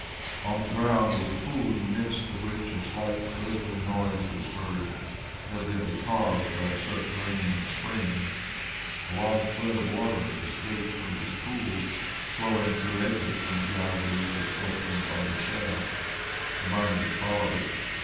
On the ground was a pool in the midst of which a slight gurgling noise was heard, evidently caused by a subterranean spring. A long thread of water escaped from this pool, flowing to the exit from the gallery which opened on the shaft. The miners followed it.